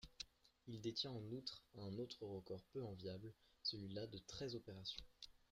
Il détient en outre un autre record peu enviable celui-là de treize opérations.